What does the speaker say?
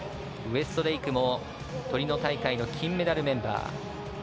ウエストレイクもトリノ大会の金メダルメンバー。